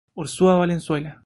Urzúa Valenzuela.